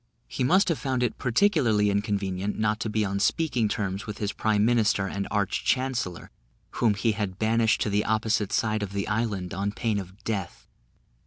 He must have found it particularly inconvenient not to be on speaking terms with his prime minister and arch chancellor, whom he had banished to the opposite side of the island on pain of death.